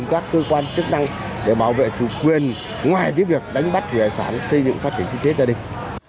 các cơ quan chức năng để bảo vệ chủ quyền ngoài việc đánh bắt thủy hải sản xây dựng phát triển kinh tế gia đình